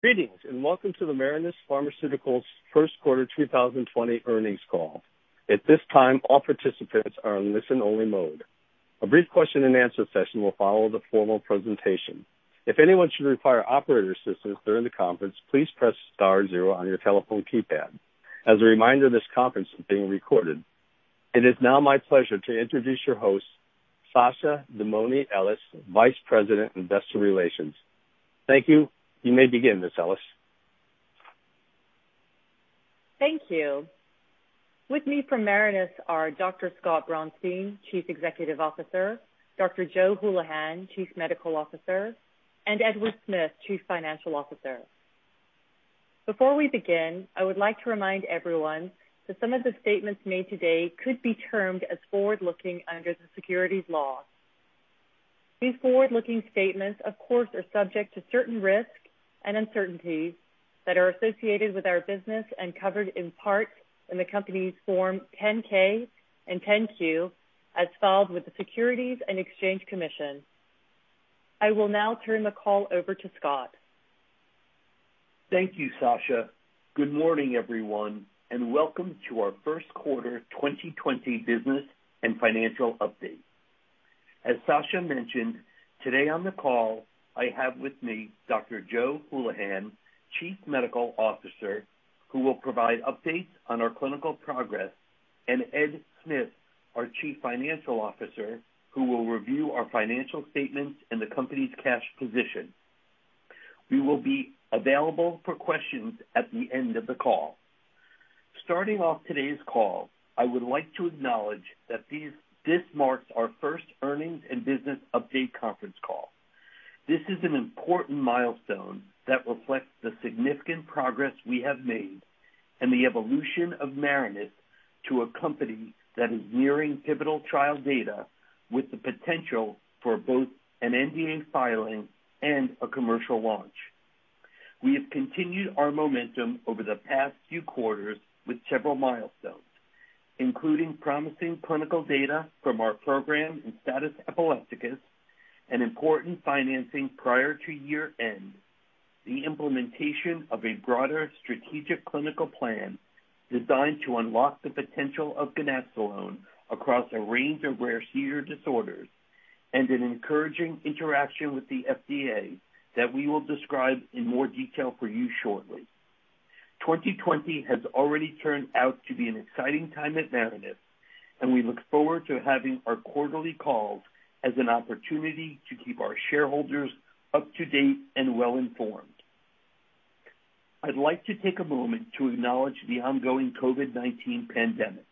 Greetings, and welcome to the Marinus Pharmaceuticals' first quarter 2020 earnings call. At this time, all participants are on listen-only mode. A brief question and answer session will follow the formal presentation. If anyone should require operator assistance during the conference, please press star zero on your telephone keypad. As a reminder, this conference is being recorded. It is now my pleasure to introduce your host, Sasha Damouni Ellis, vice president of investor relations. Thank you. You may begin, Ms. Ellis. Thank you. With me from Marinus are Dr. Scott Braunstein, Chief Executive Officer, Dr. Joe Hulihan, Chief Medical Officer, and Edward Smith, Chief Financial Officer. Before we begin, I would like to remind everyone that some of the statements made today could be termed as forward-looking under the securities law. These forward-looking statements, of course, are subject to certain risks and uncertainties that are associated with our business and covered, in part, in the company's Form 10-K and 10-Q, as filed with the Securities and Exchange Commission. I will now turn the call over to Scott. Thank you, Sasha. Good morning, everyone, welcome to our first-quarter 2020 business and financial update. As Sasha mentioned, today on the call, I have with me Dr. Joe Hulihan, chief medical officer, who will provide updates on our clinical progress, and Ed Smith, our chief financial officer, who will review our financial statements and the company's cash position. We will be available for questions at the end of the call. Starting off today's call, I would like to acknowledge that this marks our first earnings and business update conference call. This is an important milestone that reflects the significant progress we have made and the evolution of Marinus to a company that is nearing pivotal trial data with the potential for both an NDA filing and a commercial launch. We have continued our momentum over the past few quarters with several milestones, including promising clinical data from our program in status epilepticus and important financing prior to year-end, the implementation of a broader strategic clinical plan designed to unlock the potential of ganaxolone across a range of rare seizure disorders, and an encouraging interaction with the FDA that we will describe in more detail for you shortly. 2020 has already turned out to be an exciting time at Marinus, and we look forward to having our quarterly calls as an opportunity to keep our shareholders up-to-date and well-informed. I'd like to take a moment to acknowledge the ongoing COVID-19 pandemic.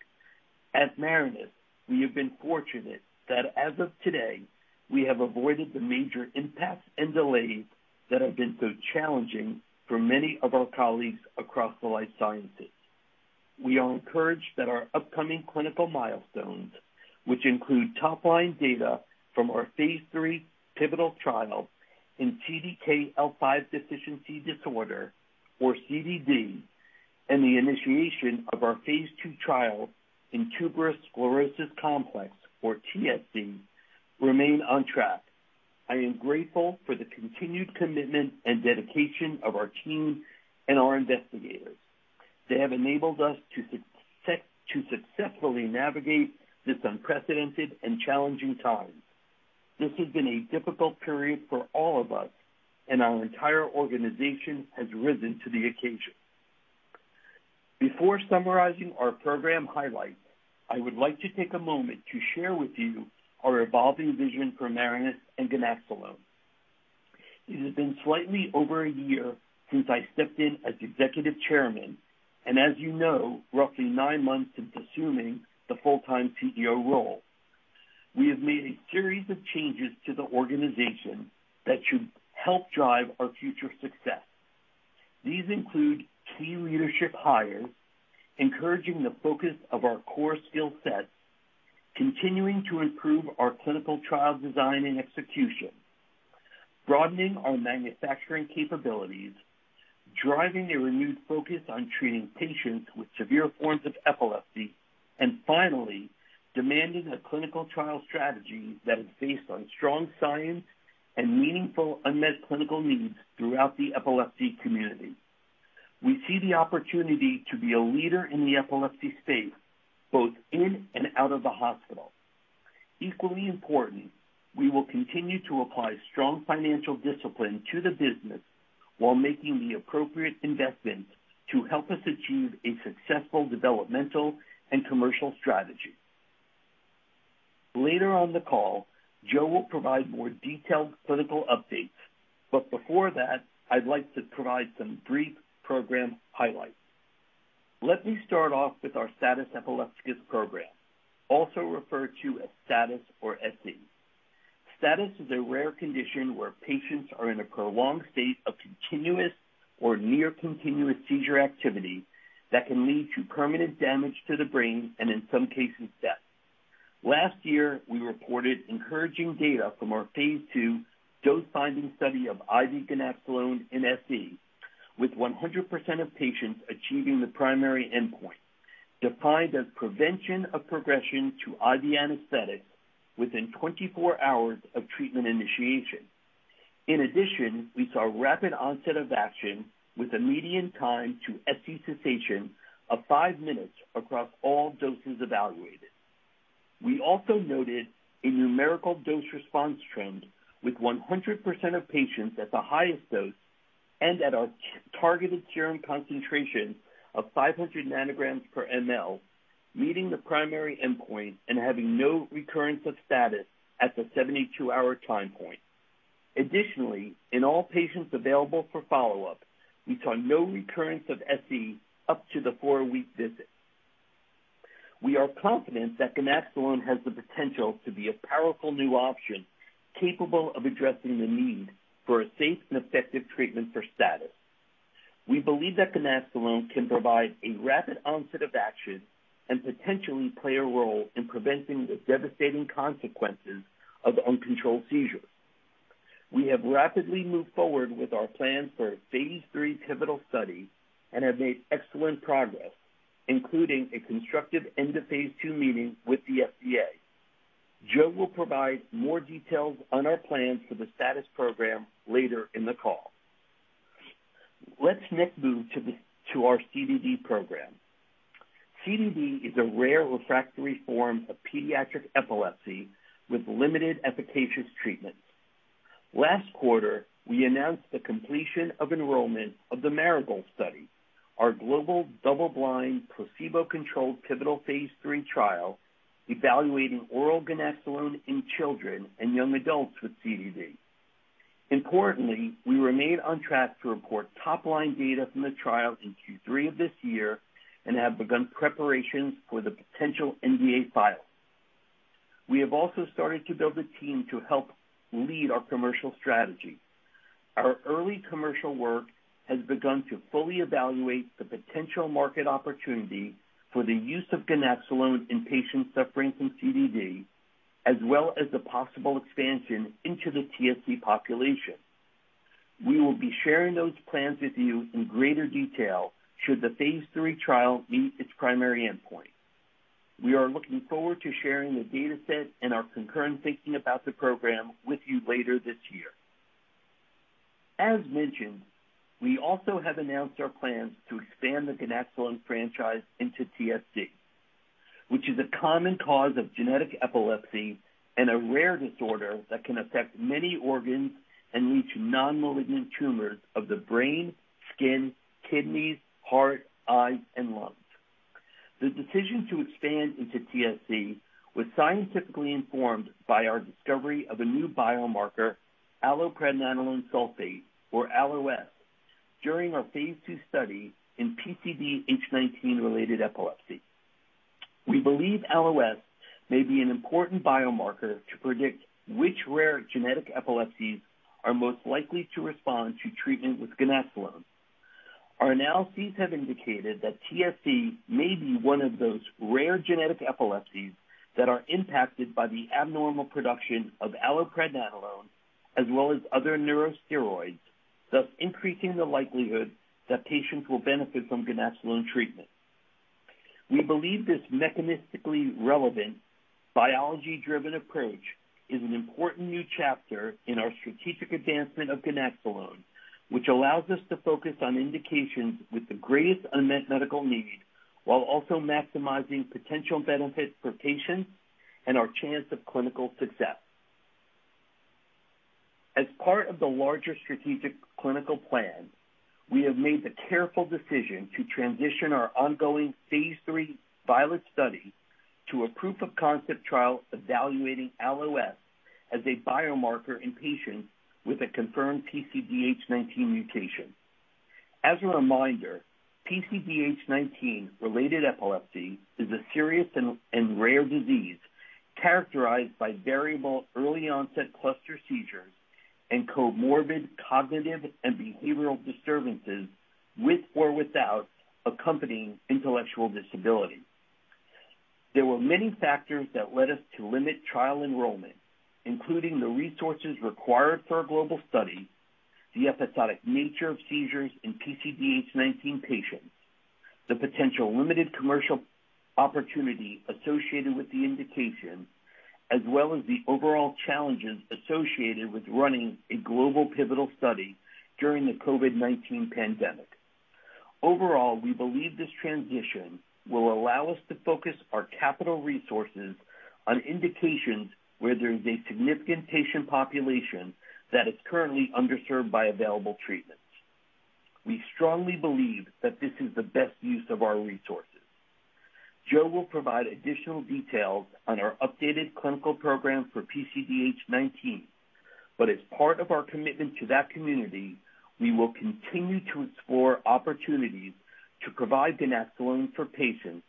At Marinus, we have been fortunate that, as of today, we have avoided the major impacts and delays that have been so challenging for many of our colleagues across the life sciences. We are encouraged that our upcoming clinical milestones, which include top-line data from our phase III pivotal trial in CDKL5 deficiency disorder, or CDD, and the initiation of our phase II trial in tuberous sclerosis complex, or TSC, remain on track. I am grateful for the continued commitment and dedication of our team and our investigators. They have enabled us to successfully navigate this unprecedented and challenging time. This has been a difficult period for all of us, and our entire organization has risen to the occasion. Before summarizing our program highlights, I would like to take a moment to share with you our evolving vision for Marinus and ganaxolone. It has been slightly over a year since I stepped in as Executive Chairman and, as you know, roughly nine months since assuming the full-time CEO role. We have made a series of changes to the organization that should help drive our future success. These include key leadership hires, encouraging the focus of our core skill sets, continuing to improve our clinical trial design and execution, broadening our manufacturing capabilities, driving a renewed focus on treating patients with severe forms of epilepsy, and finally, demanding a clinical trial strategy that is based on strong science and meaningful unmet clinical needs throughout the epilepsy community. We see the opportunity to be a leader in the epilepsy space, both in and out of the hospital. Equally important, we will continue to apply strong financial discipline to the business while making the appropriate investments to help us achieve a successful developmental and commercial strategy. Later on the call, Joe will provide more detailed clinical updates. Before that, I'd like to provide some brief program highlights. Let me start off with our status epilepticus program, also referred to as status or SE. Status is a rare condition where patients are in a prolonged state of continuous or near-continuous seizure activity that can lead to permanent damage to the brain and, in some cases, death. Last year, we reported encouraging data from our phase II dose-finding study of IV ganaxolone in SE, with 100% of patients achieving the primary endpoint. Defined as prevention of progression to IV anesthetics within 24 hours of treatment initiation. We saw rapid onset of action with a median time to SE cessation of five minutes across all doses evaluated. We also noted a numerical dose response trend with 100% of patients at the highest dose and at our targeted serum concentration of 500 nanograms per ml, meeting the primary endpoint and having no recurrence of status at the 72-hour time point. In all patients available for follow-up, we saw no recurrence of SE up to the four-week visit. We are confident that ganaxolone has the potential to be a powerful new option capable of addressing the need for a safe and effective treatment for status. We believe that ganaxolone can provide a rapid onset of action and potentially play a role in preventing the devastating consequences of uncontrolled seizures. We have rapidly moved forward with our plan for a phase III pivotal study and have made excellent progress, including a constructive end-of-phase II meeting with the FDA. Joe will provide more details on our plans for the STATUS program later in the call. Let's next move to our CDD program. CDD is a rare refractory form of pediatric epilepsy with limited efficacious treatments. Last quarter, we announced the completion of enrollment of the Marigold study, our global double-blind, placebo-controlled pivotal phase III trial evaluating oral ganaxolone in children and young adults with CDD. Importantly, we remain on track to report top-line data from the trial in Q3 of this year and have begun preparations for the potential NDA file. We have also started to build a team to help lead our commercial strategy. Our early commercial work has begun to fully evaluate the potential market opportunity for the use of ganaxolone in patients suffering from CDD, as well as the possible expansion into the TSC population. We will be sharing those plans with you in greater detail should the phase III trial meet its primary endpoint. We are looking forward to sharing the data set and our concurrent thinking about the program with you later this year. As mentioned, we also have announced our plans to expand the ganaxolone franchise into TSC, which is a common cause of genetic epilepsy and a rare disorder that can affect many organs and lead to non-malignant tumors of the brain, skin, kidneys, heart, eyes, and lungs. The decision to expand into TSC was scientifically informed by our discovery of a new biomarker, allopregnanolone sulfate, or Allo-S, during our phase II study in PCDH19-related epilepsy. We believe Allo-S may be an important biomarker to predict which rare genetic epilepsies are most likely to respond to treatment with ganaxolone. Our analyses have indicated that TSC may be one of those rare genetic epilepsies that are impacted by the abnormal production of allopregnanolone, as well as other neurosteroids, thus increasing the likelihood that patients will benefit from ganaxolone treatment. We believe this mechanistically relevant, biology-driven approach is an important new chapter in our strategic advancement of ganaxolone, which allows us to focus on indications with the greatest unmet medical need, while also maximizing potential benefits for patients and our chance of clinical success. As part of the larger strategic clinical plan, we have made the careful decision to transition our ongoing phase III VIOLET study to a proof of concept trial evaluating Allo-S as a biomarker in patients with a confirmed PCDH19 mutation. As a reminder, PCDH19-related epilepsy is a serious and rare disease characterized by variable early-onset cluster seizures and comorbid cognitive and behavioral disturbances with or without accompanying intellectual disability. There were many factors that led us to limit trial enrollment, including the resources required for a global study, the episodic nature of seizures in PCDH19 patients, the potential limited commercial opportunity associated with the indication, as well as the overall challenges associated with running a global pivotal study during the COVID-19 pandemic. Overall, we believe this transition will allow us to focus our capital resources on indications where there is a significant patient population that is currently underserved by available treatments. We strongly believe that this is the best use of our resources. Joe will provide additional details on our updated clinical program for PCDH19. As part of our commitment to that community, we will continue to explore opportunities to provide ganaxolone for patients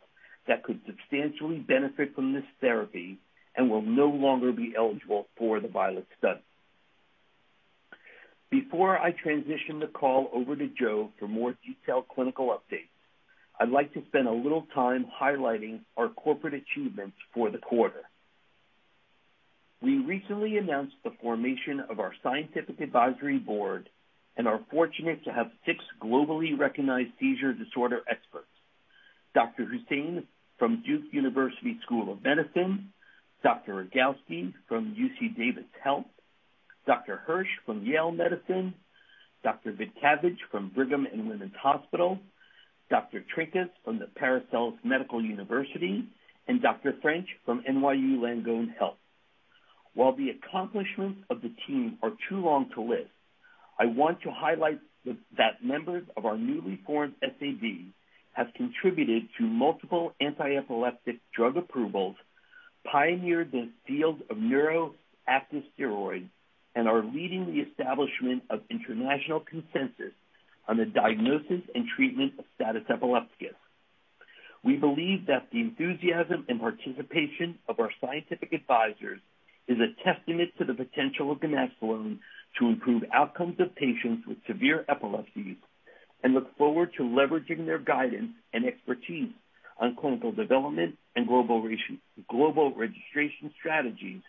that could substantially benefit from this therapy and will no longer be eligible for the Violet study. Before I transition the call over to Joe for more detailed clinical updates, I'd like to spend a little time highlighting our corporate achievements for the quarter. We recently announced the formation of our Scientific Advisory Board and are fortunate to have six globally recognized seizure disorder experts. Dr. Husain from Duke University School of Medicine, Dr. Rogawski from UC Davis Health, Dr. Hirsch from Yale Medicine, Dr. Vaitkevicius from Brigham and Women's Hospital, Dr. Trinka from the Paracelsus Medical University, and Dr. French from NYU Langone Health. While the accomplishments of the team are too long to list, I want to highlight that members of our newly formed SAB have contributed to multiple antiepileptic drug approvals, pioneered the field of neurosteroids, and are leading the establishment of international consensus on the diagnosis and treatment of status epilepticus. We believe that the enthusiasm and participation of our scientific advisors is a testament to the potential of ganaxolone to improve outcomes of patients with severe epilepsies and look forward to leveraging their guidance and expertise on clinical development and global registration strategies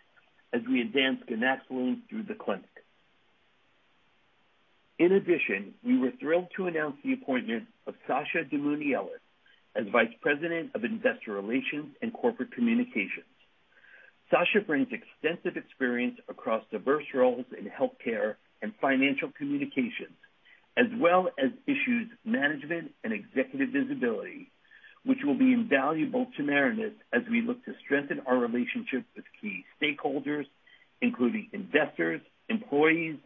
as we advance ganaxolone through the clinic. In addition, we were thrilled to announce the appointment of Sasha Damouni Ellis as Vice President of Investor Relations and Corporate Communications. Sasha brings extensive experience across diverse roles in healthcare and financial communications, as well as issues management and executive visibility, which will be invaluable to Marinus as we look to strengthen our relationships with key stakeholders, including investors, employees,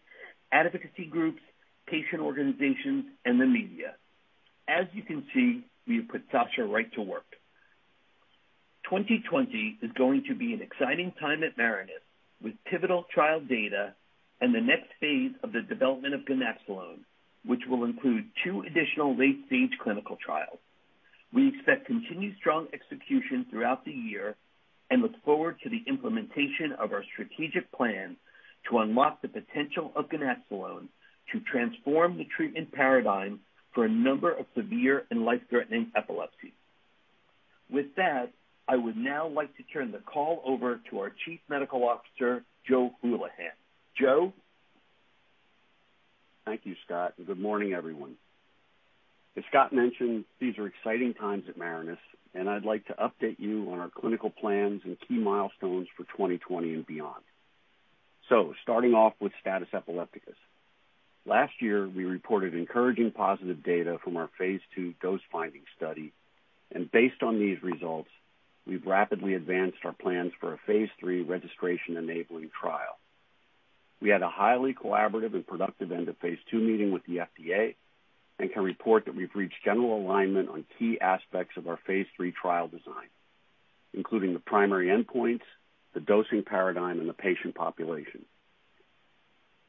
advocacy groups, patient organizations, and the media. As you can see, we have put Sasha right to work. 2020 is going to be an exciting time at Marinus, with pivotal trial data and the next phase of the development of ganaxolone, which will include two additional late-stage clinical trials. We expect continued strong execution throughout the year and look forward to the implementation of our strategic plan to unlock the potential of ganaxolone to transform the treatment paradigm for a number of severe and life-threatening epilepsies. With that, I would now like to turn the call over to our Chief Medical Officer, Joe Hulihan. Joe? Thank you, Scott, and good morning, everyone. As Scott mentioned, these are exciting times at Marinus, and I'd like to update you on our clinical plans and key milestones for 2020 and beyond. Starting off with status epilepticus. Last year, we reported encouraging positive data from our phase II dose-finding study, and based on these results, we've rapidly advanced our plans for a phase III registration-enabling trial. We had a highly collaborative and productive end-of-phase II meeting with the FDA and can report that we've reached general alignment on key aspects of our phase III trial design, including the primary endpoints, the dosing paradigm, and the patient population.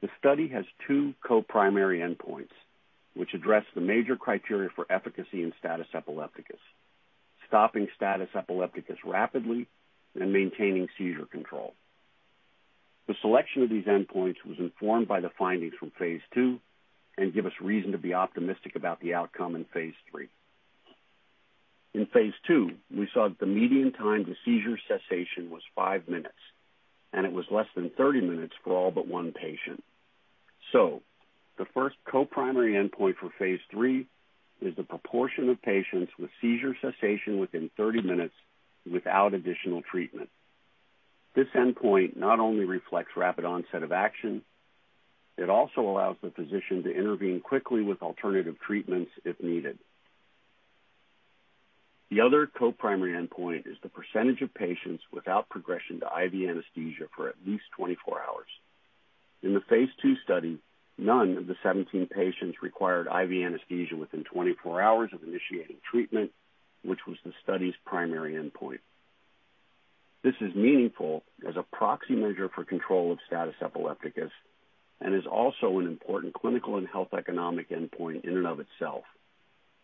The study has two co-primary endpoints, which address the major criteria for efficacy in status epilepticus, stopping status epilepticus rapidly, and maintaining seizure control. The selection of these endpoints was informed by the findings from phase II and give us reason to be optimistic about the outcome in phase III. In phase II, we saw that the median time to seizure cessation was five minutes, and it was less than 30 minutes for all but one patient. The first co-primary endpoint for phase III is the proportion of patients with seizure cessation within 30 minutes without additional treatment. This endpoint not only reflects rapid onset of action, it also allows the physician to intervene quickly with alternative treatments if needed. The other co-primary endpoint is the percentage of patients without progression to IV anesthesia for at least 24 hours. In the phase II study, none of the 17 patients required IV anesthesia within 24 hours of initiating treatment, which was the study's primary endpoint. This is meaningful as a proxy measure for control of status epilepticus and is also an important clinical and health economic endpoint in and of itself.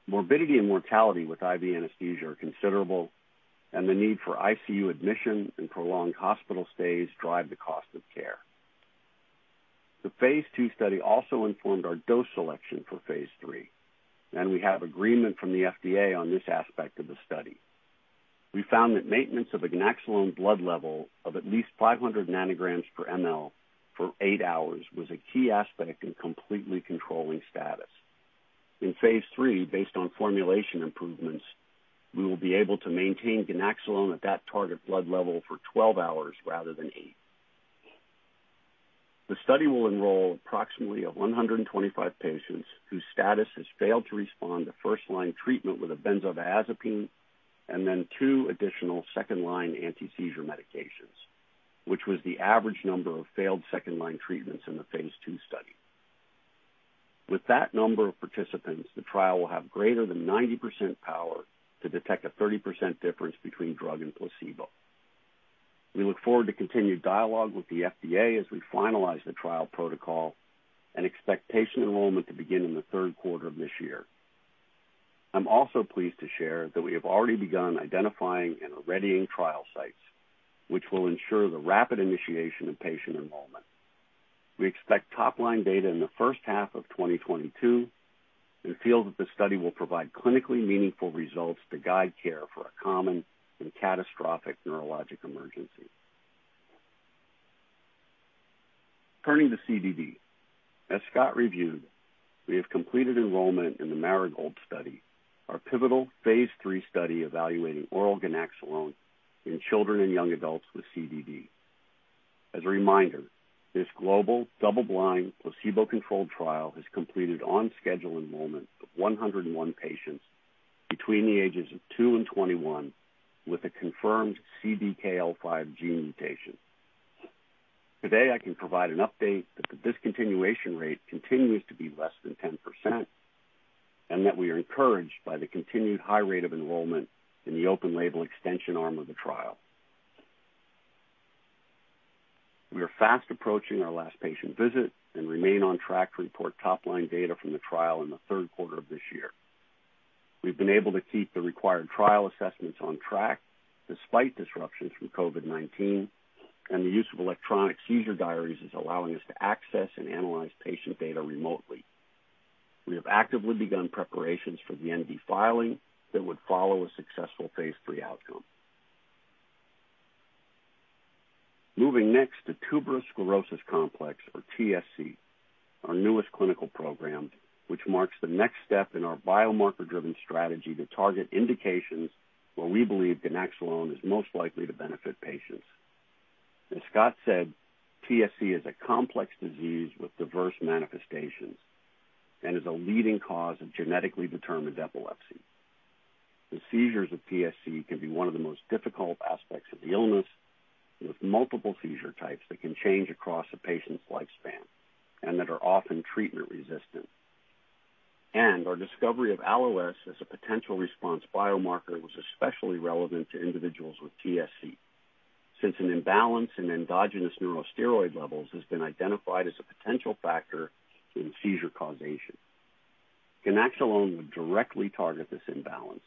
Morbidity and mortality with IV anesthesia are considerable, and the need for ICU admission and prolonged hospital stays drive the cost of care. The phase II study also informed our dose selection for phase III, and we have agreement from the FDA on this aspect of the study. We found that maintenance of a ganaxolone blood level of at least 500 nanograms per mL for eight hours was a key aspect in completely controlling status. In phase III, based on formulation improvements, we will be able to maintain ganaxolone at that target blood level for 12 hours rather than eight. The study will enroll approximately 125 patients whose status has failed to respond to first-line treatment with a benzodiazepine and then two additional second-line anti-seizure medications, which was the average number of failed second-line treatments in the phase II study. With that number of participants, the trial will have greater than 90% power to detect a 30% difference between drug and placebo. We look forward to continued dialogue with the FDA as we finalize the trial protocol and expect patient enrollment to begin in the third quarter of this year. I am also pleased to share that we have already begun identifying and readying trial sites, which will ensure the rapid initiation of patient enrollment. We expect top-line data in the first half of 2022 and feel that the study will provide clinically meaningful results to guide care for a common and catastrophic neurologic emergency. Turning to CDD. As Scott reviewed, we have completed enrollment in the Marigold study, our pivotal phase III study evaluating oral ganaxolone in children and young adults with CDD. As a reminder, this global double-blind placebo-controlled trial has completed on-schedule enrollment of 101 patients between the ages of two and 21 with a confirmed CDKL5 gene mutation. Today, I can provide an update that the discontinuation rate continues to be less than 10% and that we are encouraged by the continued high rate of enrollment in the open label extension arm of the trial. We are fast approaching our last patient visit and remain on track to report top-line data from the trial in the third quarter of this year. We've been able to keep the required trial assessments on track despite disruptions from COVID-19, and the use of electronic seizure diaries is allowing us to access and analyze patient data remotely. We have actively begun preparations for the NDA filing that would follow a successful phase III outcome. Moving next to Tuberous Sclerosis Complex, or TSC, our newest clinical program, which marks the next step in our biomarker-driven strategy to target indications where we believe ganaxolone is most likely to benefit patients. As Scott said, TSC is a complex disease with diverse manifestations and is a leading cause of genetically determined epilepsy. The seizures of TSC can be one of the most difficult aspects of the illness, with multiple seizure types that can change across a patient's lifespan and that are often treatment-resistant. Our discovery of Allo-S as a potential response biomarker was especially relevant to individuals with TSC, since an imbalance in endogenous neurosteroid levels has been identified as a potential factor in seizure causation. Ganaxolone would directly target this imbalance.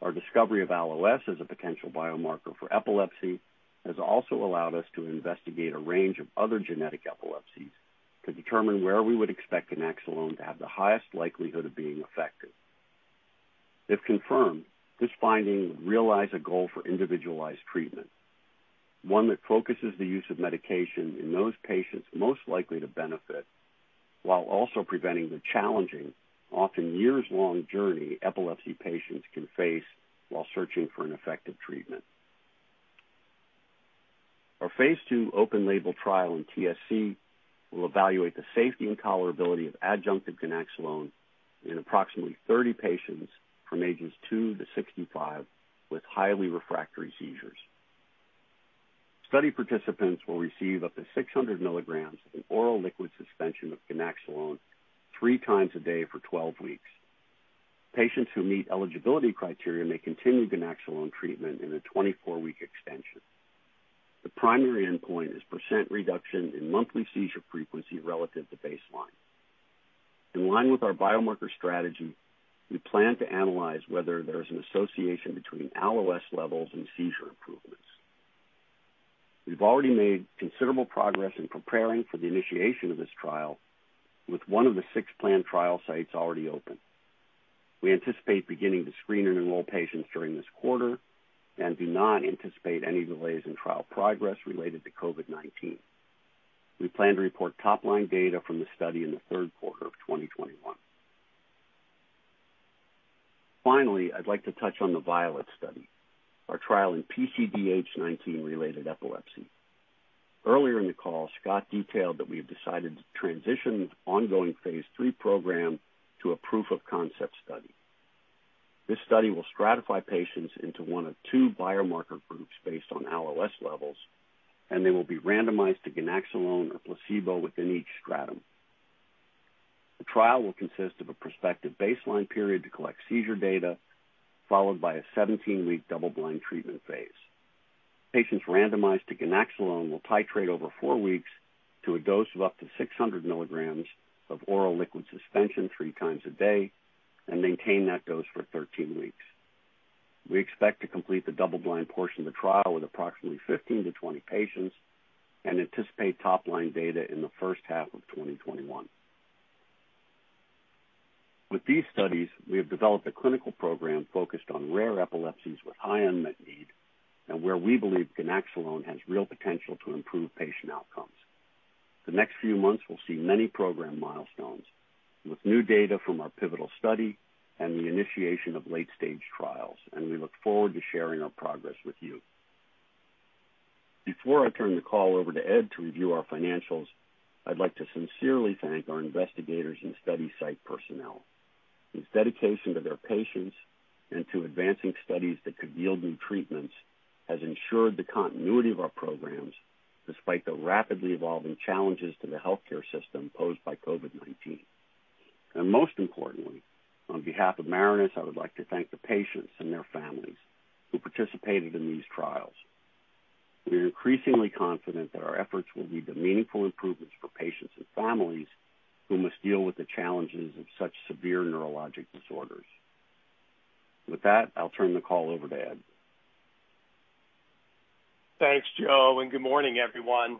Our discovery of Allo-S as a potential biomarker for epilepsy has also allowed us to investigate a range of other genetic epilepsies to determine where we would expect ganaxolone to have the highest likelihood of being effective. If confirmed, this finding would realize a goal for individualized treatment, one that focuses the use of medication in those patients most likely to benefit, while also preventing the challenging, often years-long journey epilepsy patients can face while searching for an effective treatment. Our Phase II open label trial in TSC will evaluate the safety and tolerability of adjunctive ganaxolone in approximately 30 patients from ages 2 to 65 with highly refractory seizures. Study participants will receive up to 600 milligrams of an oral liquid suspension of ganaxolone three times a day for 12 weeks. Patients who meet eligibility criteria may continue ganaxolone treatment in a 24-week extension. The primary endpoint is % reduction in monthly seizure frequency relative to baseline. In line with our biomarker strategy, we plan to analyze whether there is an association between Allo-S levels and seizure improvements. We've already made considerable progress in preparing for the initiation of this trial, with one of the six planned trial sites already open. We anticipate beginning to screen and enroll patients during this quarter and do not anticipate any delays in trial progress related to COVID-19. We plan to report top-line data from the study in the third quarter of 2021. Finally, I'd like to touch on the Violet study, our trial in PCDH19-related epilepsy. Earlier in the call, Scott detailed that we have decided to transition the ongoing phase III program to a proof of concept study. This study will stratify patients into one of two biomarker groups based on Allo-S levels, and they will be randomized to ganaxolone or placebo within each stratum. The trial will consist of a prospective baseline period to collect seizure data, followed by a 17-week double-blind treatment phase. Patients randomized to ganaxolone will titrate over four weeks to a dose of up to 600 milligrams of oral liquid suspension three times a day and maintain that dose for 13 weeks. We expect to complete the double-blind portion of the trial with approximately 15 to 20 patients and anticipate top-line data in the first half of 2021. With these studies, we have developed a clinical program focused on rare epilepsies with high unmet need and where we believe ganaxolone has real potential to improve patient outcomes. The next few months will see many program milestones with new data from our pivotal study and the initiation of late-stage trials, and we look forward to sharing our progress with you. Before I turn the call over to Ed to review our financials, I'd like to sincerely thank our investigators and study site personnel, whose dedication to their patients and to advancing studies that could yield new treatments has ensured the continuity of our programs despite the rapidly evolving challenges to the healthcare system posed by COVID-19. Most importantly, on behalf of Marinus, I would like to thank the patients and their families who participated in these trials. We are increasingly confident that our efforts will lead to meaningful improvements for patients and families who must deal with the challenges of such severe neurologic disorders. With that, I'll turn the call over to Ed. Thanks, Joe, good morning, everyone.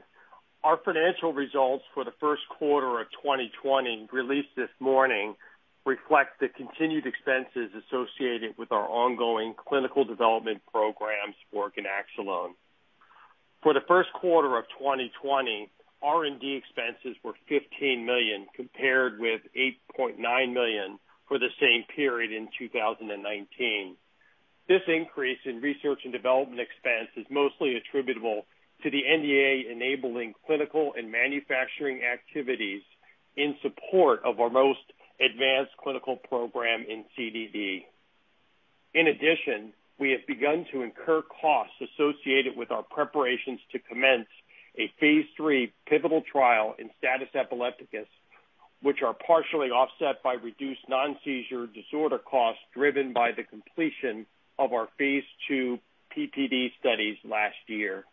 Our financial results for the first quarter of 2020, released this morning, reflect the continued expenses associated with our ongoing clinical development programs for ganaxolone. For the first quarter of 2020, R&D expenses were $15 million, compared with $8.9 million for the same period in 2019. This increase in research and development expense is mostly attributable to the NDA-enabling clinical and manufacturing activities in support of our most advanced clinical program in CDD. We have begun to incur costs associated with our preparations to commence a phase III pivotal trial in status epilepticus, which are partially offset by reduced non-seizure disorder costs driven by the completion of our phase II PPD studies last year.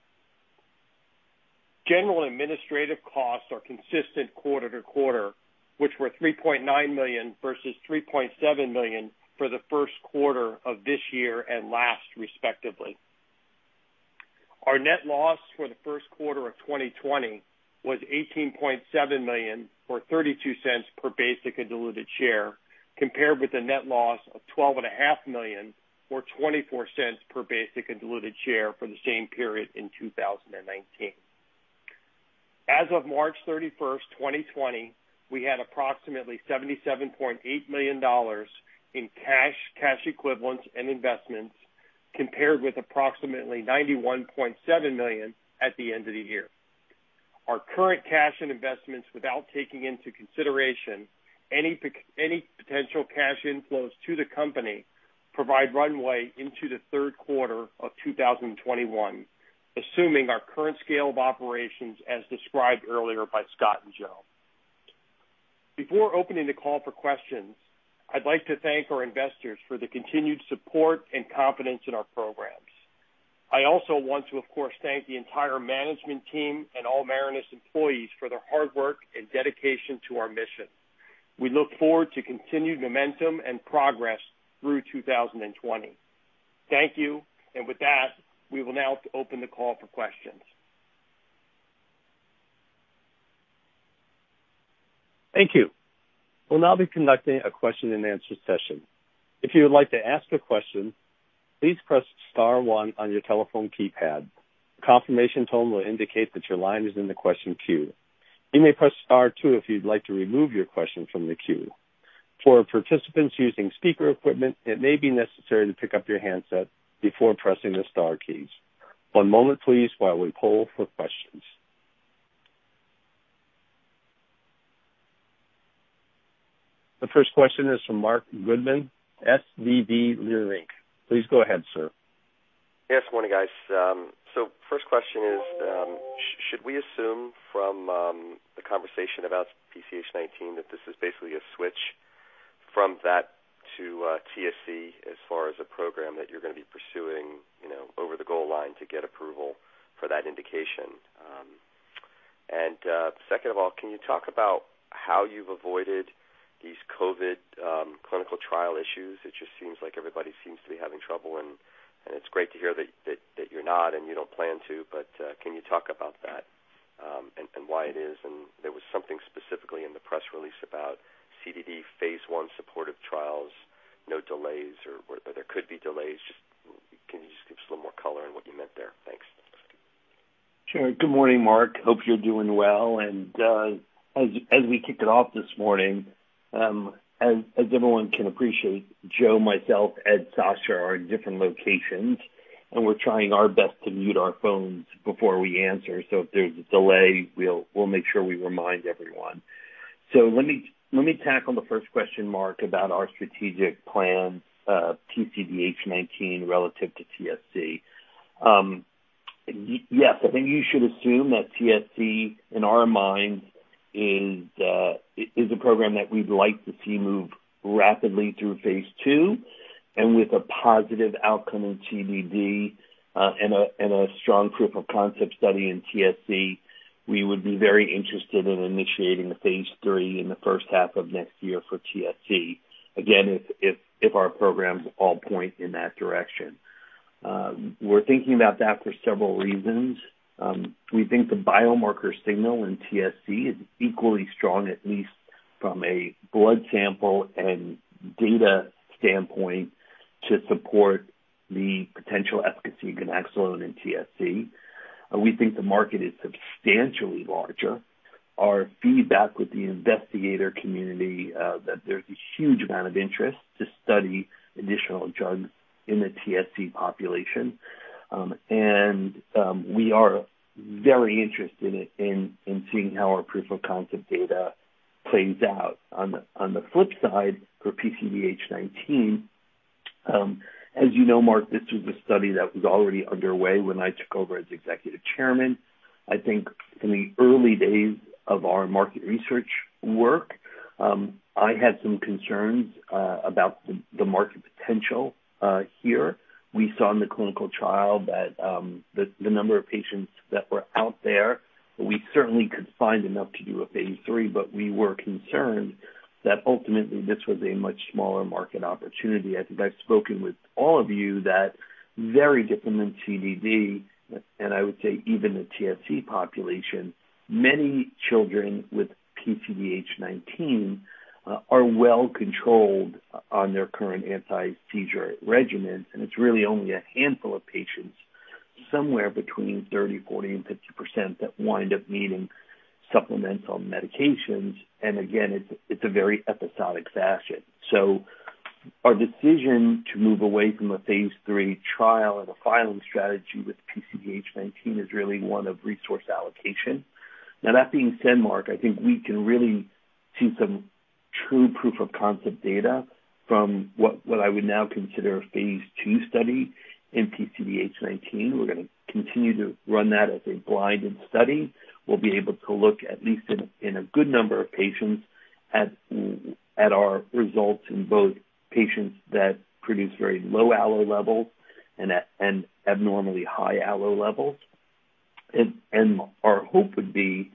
General administrative costs are consistent quarter-to-quarter, which were $3.9 million versus $3.7 million for the first quarter of this year and last, respectively. Our net loss for the first quarter of 2020 was $18.7 million, or $0.32 per basic and diluted share, compared with a net loss of $12.5 million or $0.24 per basic and diluted share for the same period in 2019. As of March 31, 2020, we had approximately $77.8 million in cash equivalents, and investments, compared with approximately $91.7 million at the end of the year. Our current cash and investments, without taking into consideration any potential cash inflows to the company, provide runway into the third quarter of 2021, assuming our current scale of operations, as described earlier by Scott and Joe. Before opening the call for questions, I'd like to thank our investors for the continued support and confidence in our programs. I also want to, of course, thank the entire management team and all Marinus employees for their hard work and dedication to our mission. We look forward to continued momentum and progress through 2020. Thank you. With that, we will now open the call for questions. Thank you. We'll now be conducting a question and answer session. If you would like to ask a question, please press *1 on your telephone keypad. A confirmation tone will indicate that your line is in the question queue. You may press *2 if you'd like to remove your question from the queue. For participants using speaker equipment, it may be necessary to pick up your handset before pressing the star keys. One moment, please, while we poll for questions. The first question is from Marc Goodman, SVB Leerink. Please go ahead, sir. Yes. Morning, guys. First question is, should we assume from the conversation about PCDH19 that this is basically a switch from that to TSC as far as a program that you're going to be pursuing over the goal line to get approval for that indication? Second of all, can you talk about how you've avoided these COVID clinical trial issues? It just seems like everybody seems to be having trouble, and it's great to hear that you're not, and you don't plan to, but can you talk about that and why it is? There was something specifically in the press release about CDD phase I supportive trials, no delays, or there could be delays. Can you just give us a little more color on what you meant there? Thanks. Sure. Good morning, Marc. Hope you're doing well. As we kick it off this morning, as everyone can appreciate, Joe, myself, Ed, Sasha are in different locations, and we're trying our best to mute our phones before we answer. If there's a delay, we'll make sure we remind everyone. Let me tackle the first question, Marc, about our strategic plan, PCDH19 relative to TSC. Yes, I think you should assume that TSC, in our minds, is a program that we'd like to see move rapidly through phase II. With a positive outcome in CDD and a strong proof of concept study in TSC, we would be very interested in initiating a phase III in the first half of next year for TSC. Again, if our programs all point in that direction. We're thinking about that for several reasons. We think the biomarker signal in TSC is equally strong, at least from a blood sample and data standpoint, to support the potential efficacy of ganaxolone in TSC. We think the market is substantially larger. Our feedback with the investigator community, that there's a huge amount of interest to study additional drugs in the TSC population. We are very interested in seeing how our proof of concept data plays out. On the flip side for PCDH19, as you know, Marc, this was a study that was already underway when I took over as executive chairman. I think in the early days of our market research work I had some concerns about the market potential here. We saw in the clinical trial that the number of patients that were out there, we certainly could find enough to do a phase III, but we were concerned that ultimately this was a much smaller market opportunity. I think I've spoken with all of you that very different than CDD, and I would say even the TSC population, many children with PCDH19 are well controlled on their current anti-seizure regimen, and it's really only a handful of patients, somewhere between 30%, 40%, and 50%, that wind up needing supplemental medications. Again, it's a very episodic fashion. Our decision to move away from a phase III trial and a filing strategy with PCDH19 is really one of resource allocation. That being said, Marc, I think we can really see some true proof of concept data from what I would now consider a phase II study in PCDH19. We're going to continue to run that as a blinded study. We'll be able to look at least in a good number of patients at our results in both patients that produce very low Allo levels and abnormally high Allo levels. Our hope would be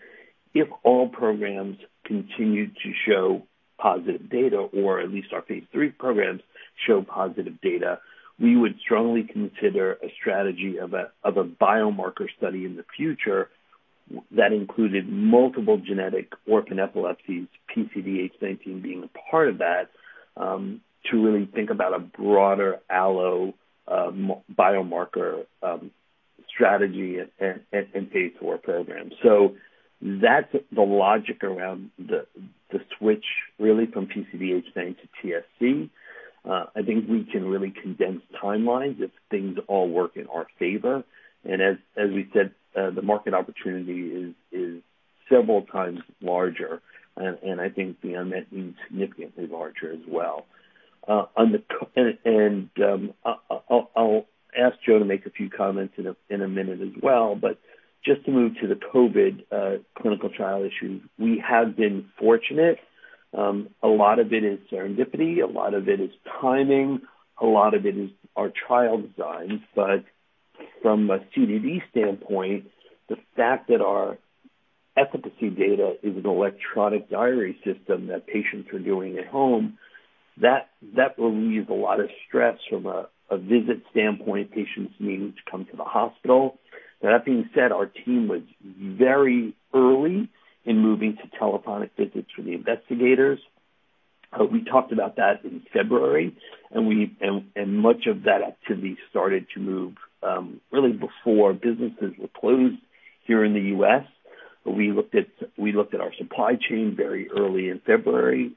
if all programs continue to show positive data, or at least our phase III programs show positive data, we would strongly consider a strategy of a biomarker study in the future that included multiple genetic orphan epilepsies, PCDH19 being a part of that, to really think about a broader Allo biomarker strategy and phase IV program. That's the logic around the switch really from PCDH19 to TSC. I think we can really condense timelines if things all work in our favor. As we said, the market opportunity is several times larger and I think the unmet need significantly larger as well. I'll ask Joe Hulihan to make a few comments in a minute as well, but just to move to the COVID clinical trial issue. We have been fortunate. A lot of it is serendipity, a lot of it is timing, a lot of it is our trial designs, but from a CDD standpoint, the fact that our efficacy data is an electronic diary system that patients are doing at home, that relieves a lot of stress from a visit standpoint, patients needing to come to the hospital. That being said, our team was very early in moving to telephonic visits for the investigators. We talked about that in February and much of that activity started to move really before businesses were closed here in the U.S. We looked at our supply chain very early in February.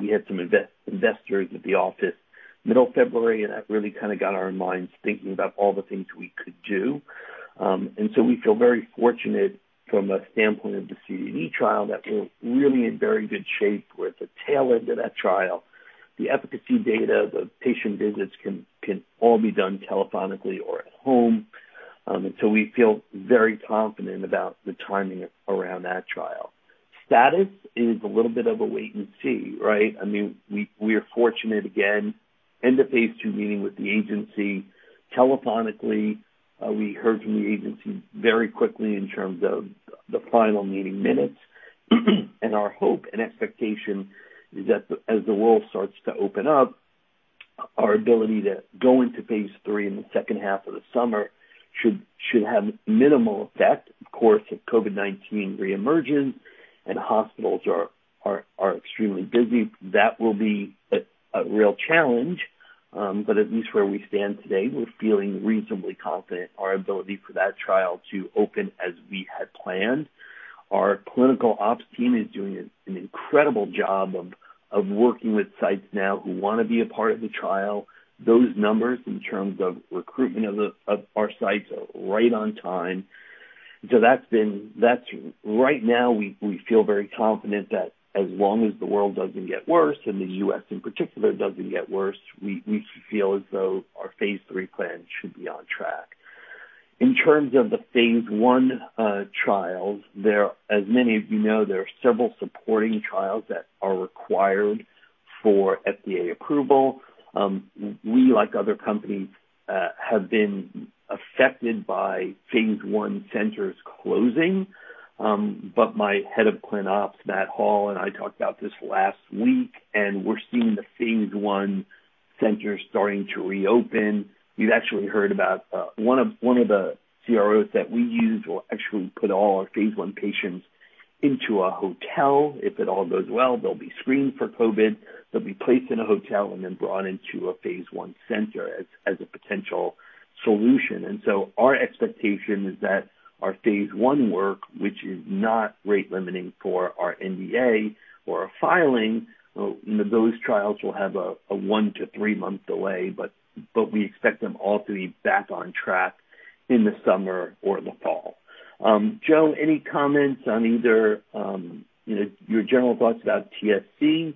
We had some investors at the office middle February, and that really got our minds thinking about all the things we could do. We feel very fortunate from a standpoint of the CDD trial that we're really in very good shape. We're at the tail end of that trial. The efficacy data, the patient visits can all be done telephonically or at home. We feel very confident about the timing around that trial. Status is a little bit of a wait and see, right? We are fortunate, again, end of phase II meeting with the agency telephonically. We heard from the agency very quickly in terms of the final meeting minutes. Our hope and expectation is that as the world starts to open up, our ability to go into phase III in the second half of the summer should have minimal effect. Of course, if COVID-19 reemerges and hospitals are extremely busy, that will be a real challenge. At least where we stand today, we're feeling reasonably confident our ability for that trial to open as we had planned. Our clinical ops team is doing an incredible job of working with sites now who want to be a part of the trial. Those numbers in terms of recruitment of our sites are right on time. Right now, we feel very confident that as long as the world doesn't get worse and the U.S. in particular doesn't get worse, we feel as though our phase III plan should be on track. In terms of the phase I trials, as many of you know, there are several supporting trials that are required for FDA approval. We, like other companies, have been affected by phase I centers closing. My head of clin ops, Matt Hall, and I talked about this last week, and we're seeing the phase I centers starting to reopen. You've actually heard about one of the CROs that we use will actually put all our phase I patients into a hotel. If it all goes well, they'll be screened for COVID, they'll be placed in a hotel, and then brought into a phase I center as a potential solution. Our expectation is that our phase I work, which is not rate limiting for our NDA or our filing, those trials will have a one to three-month delay, but we expect them all to be back on track in the summer or the fall. Joe, any comments on either your general thoughts about TSC,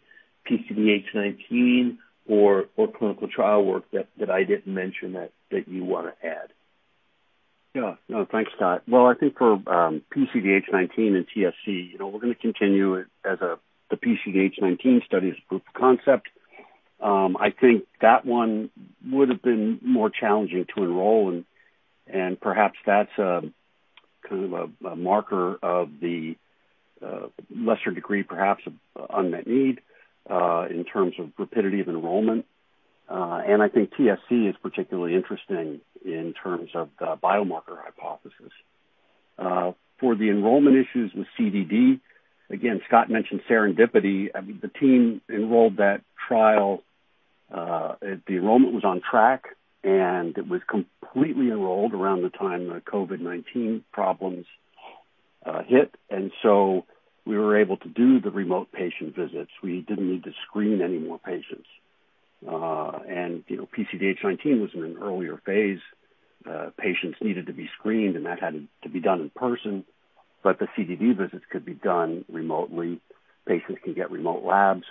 PCDH19 or clinical trial work that I didn't mention that you want to add? Yeah. No, thanks, Scott. Well, I think for PCDH19 and TSC, we're going to continue it as the PCDH19 study is proof of concept. I think that one would've been more challenging to enroll, and perhaps that's kind of a marker of the lesser degree, perhaps of unmet need, in terms of rapidity of enrollment. I think TSC is particularly interesting in terms of the biomarker hypothesis. For the enrollment issues with CDD, again, Scott mentioned serendipity. I mean, the team enrolled that trial. The enrollment was on track, and it was completely enrolled around the time the COVID-19 problems hit, and so we were able to do the remote patient visits. We didn't need to screen any more patients. PCDH19 was in an earlier phase. Patients needed to be screened, and that had to be done in person. The CDD visits could be done remotely. Patients can get remote labs.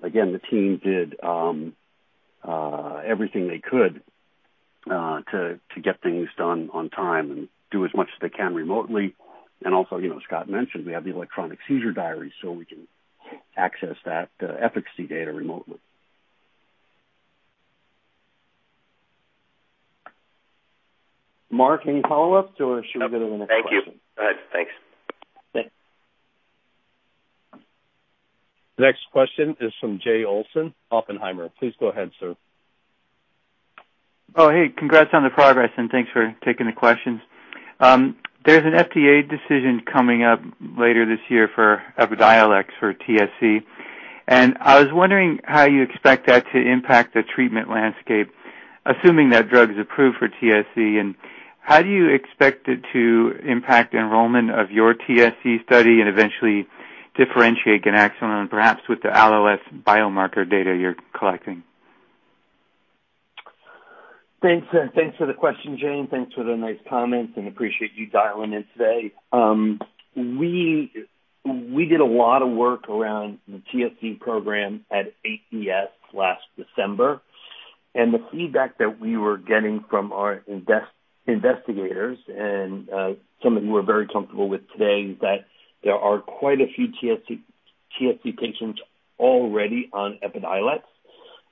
Again, the team did everything they could to get things done on time and do as much as they can remotely. Also, as Scott mentioned, we have the electronic seizure diary, so we can access that efficacy data remotely. Marc, any follow-ups, or should we go to the next question? No. Thank you. All right. Thanks. Thanks. The next question is from Jay Olson, Oppenheimer. Please go ahead, sir. Oh, hey. Congrats on the progress and thanks for taking the questions. There's an FDA decision coming up later this year for EPIDIOLEX for TSC. I was wondering how you expect that to impact the treatment landscape, assuming that drug's approved for TSC. How do you expect it to impact enrollment of your TSC study and eventually differentiate ganaxolone, perhaps with the Allo-S biomarker data you're collecting? Thanks for the question, Jay, and thanks for the nice comments, and appreciate you dialing in today. We did a lot of work around the TSC program at AES last December, and the feedback that we were getting from our investigators, and some of whom we're very comfortable with today, is that there are quite a few TSC patients already on EPIDIOLEX.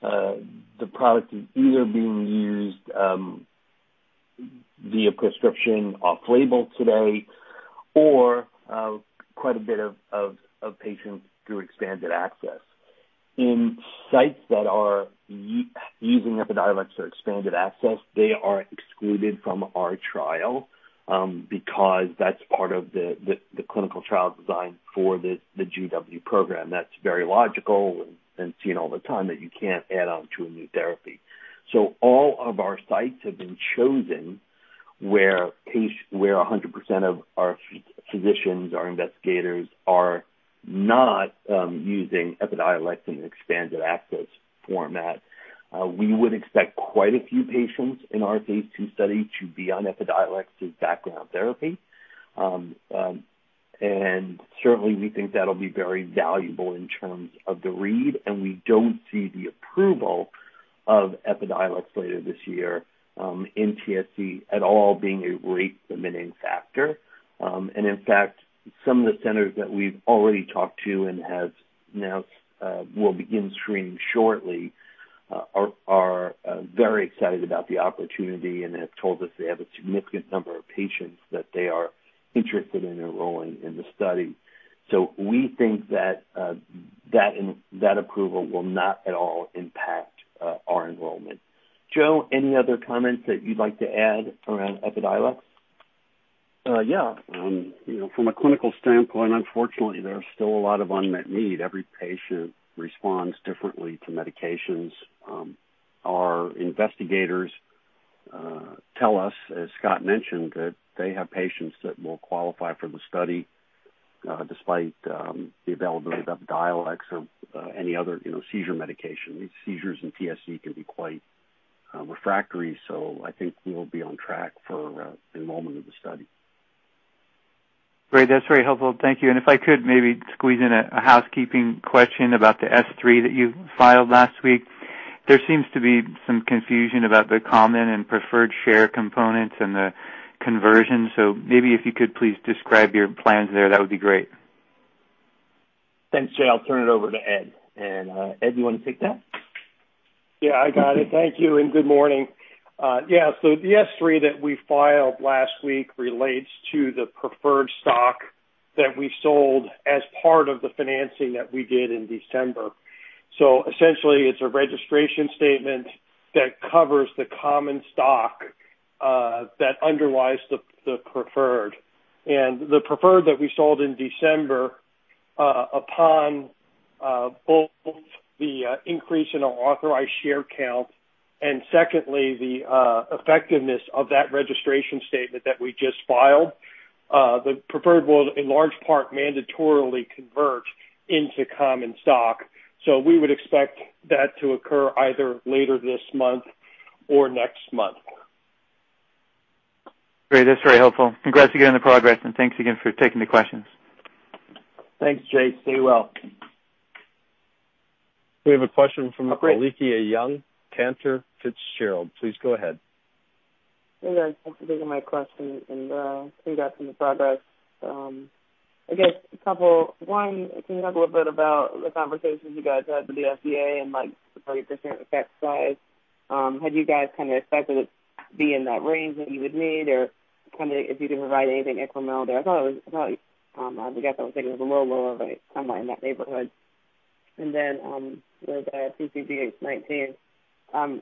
The product is either being used via prescription off-label today or quite a bit of patients through expanded access. In sites that are using EPIDIOLEX or expanded access, they are excluded from our trial because that's part of the clinical trial design for the GW program. That's very logical and seen all the time that you can't add on to a new therapy. All of our sites have been chosen where 100% of our physicians, our investigators, are not using EPIDIOLEX in an expanded access format. We would expect quite a few patients in our phase II study to be on EPIDIOLEX as background therapy. Certainly, we think that'll be very valuable in terms of the read, and we don't see the approval of EPIDIOLEX later this year in TSC at all being a rate-limiting factor. In fact, some of the centers that we've already talked to and have announced will begin screening shortly are very excited about the opportunity and have told us they have a significant number of patients that they are interested in enrolling in the study. We think that that approval will not at all impact our enrollment. Joe, any other comments that you'd like to add around EPIDIOLEX? Yeah. From a clinical standpoint, unfortunately, there's still a lot of unmet need. Every patient responds differently to medications. Our investigators tell us, as Scott mentioned, that they have patients that will qualify for the study despite the availability of EPIDIOLEX or any other seizure medication. These seizures in TSC can be quite refractory, so I think we'll be on track for enrollment of the study. Great. That's very helpful. Thank you. If I could maybe squeeze in a housekeeping question about the S-3 that you filed last week. There seems to be some confusion about the common and preferred share components and the conversion. Maybe if you could please describe your plans there, that would be great. Thanks, Jay. I'll turn it over to Ed. Ed, you want to take that? Yeah, I got it. Thank you, and good morning. Yeah. The S-3 that we filed last week relates to the preferred stock that we sold as part of the financing that we did in December. Essentially, it's a registration statement that covers the common stock that underlies the preferred. The preferred that we sold in December upon both the increase in our authorized share count and secondly, the effectiveness of that registration statement that we just filed. The preferred will in large part mandatorily convert into common stock. We would expect that to occur either later this month or next month. Great. That's very helpful. Congrats again on the progress. Thanks again for taking the questions. Thanks, Jay. Stay well. We have a question from Alethia Young, Cantor Fitzgerald. Please go ahead. Hey, guys. Thanks for taking my question and congrats on the progress. One, can you talk a little bit about the conversations you guys had with the FDA and the 30% effect size? Had you guys expected it be in that range that you would need, or if you can provide anything incremental there. I guess I was thinking it was a little lower, but somewhere in that neighborhood. With PCDH19, is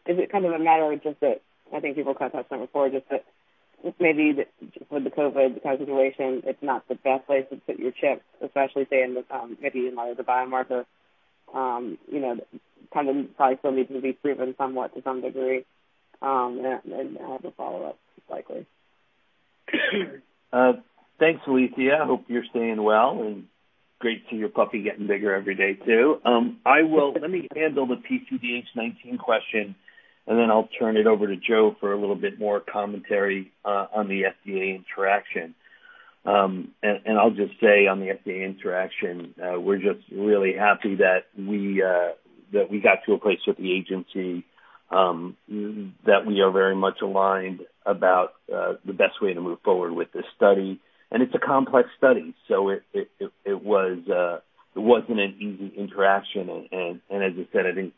it a matter of just that, I think people kind of touched on it before, just that maybe with the COVID-19 consideration, it's not the best place to put your chips, especially say in maybe in light of the biomarker, probably still needs to be proven somewhat to some degree. I have a follow-up, likely. Thanks, Alethia. Hope you're staying well, great to see your puppy getting bigger every day, too. Let me handle the PCDH19 question, then I'll turn it over to Joe for a little bit more commentary on the FDA interaction. I'll just say on the FDA interaction, we're just really happy that we got to a place with the agency that we are very much aligned about the best way to move forward with this study. It's a complex study, so it wasn't an easy interaction. As I said, I think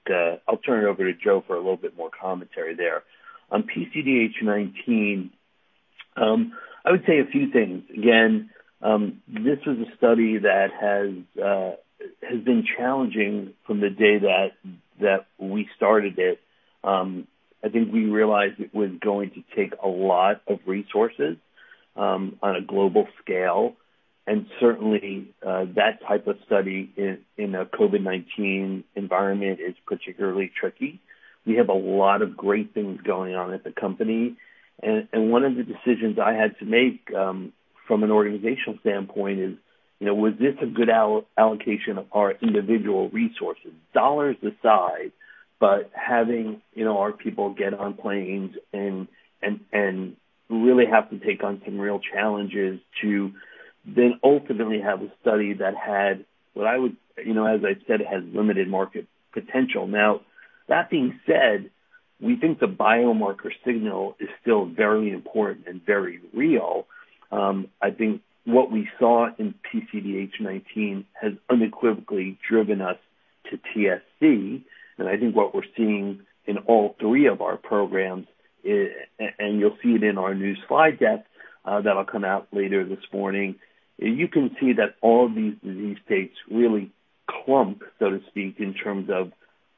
I'll turn it over to Joe for a little bit more commentary there. On PCDH19, I would say a few things. Again, this was a study that has been challenging from the day that we started it. I think we realized it was going to take a lot of resources on a global scale. Certainly, that type of study in a COVID-19 environment is particularly tricky. We have a lot of great things going on at the company, and one of the decisions I had to make from an organizational standpoint is, was this a good allocation of our individual resources, dollars aside. Having our people get on planes and really have to take on some real challenges to then ultimately have a study that, as I said, has limited market potential. That being said, we think the biomarker signal is still very important and very real. I think what we saw in PCDH19 has unequivocally driven us to TSC, and I think what we're seeing in all three of our programs, and you'll see it in our new slide deck that'll come out later this morning. You can see that all these disease states really clump, so to speak, in terms of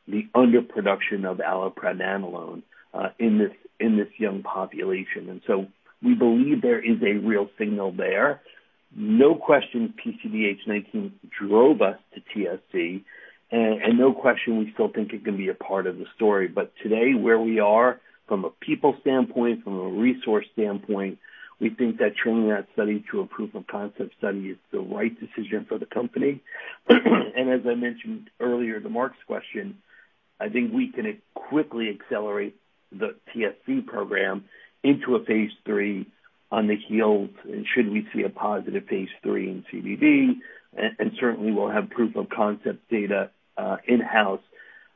the underproduction of allopregnanolone in this young population. We believe there is a real signal there. No question PCDH19 drove us to TSC, no question we still think it can be a part of the story. Today, where we are from a people standpoint, from a resource standpoint, we think that turning that study to a proof of concept study is the right decision for the company. As I mentioned earlier to Marc's question, I think we can quickly accelerate the TSC program into a phase III on the heels should we see a positive phase III in CDD. Certainly we'll have proof of concept data in-house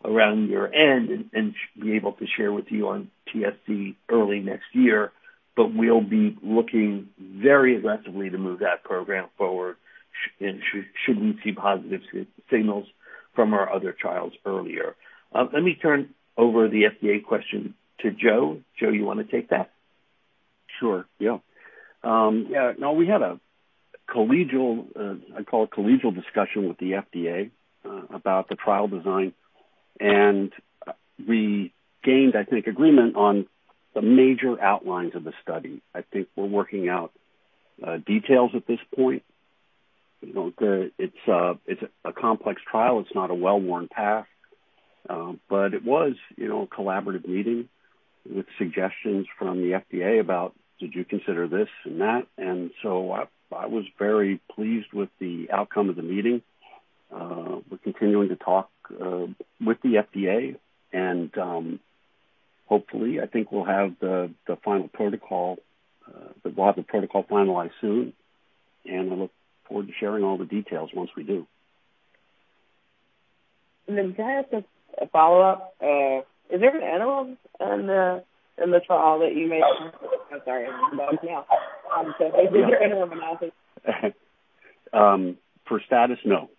around year-end and be able to share with you on TSC early next year. We'll be looking very aggressively to move that program forward should we see positive signals from our other trials earlier. Let me turn over the FDA question to Joe. Joe, you want to take that? Sure. Yeah, we had a collegial, I'd call it collegial discussion with the FDA about the trial design, we gained, I think, agreement on the major outlines of the study. I think we're working out details at this point. It's a complex trial. It's not a well-worn path. It was a collaborative meeting with suggestions from the FDA about, "Did you consider this and that?" I was very pleased with the outcome of the meeting. We're continuing to talk with the FDA and hopefully, I think we'll have the final protocol, the bulk of the protocol finalized soon, we look forward to sharing all the details once we do. Can I ask a follow-up? Is there an animal in the trial that you mentioned? I'm sorry. I have dogs now. Is there an animal model? For STATUS, no.